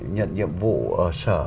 nhận nhiệm vụ ở sở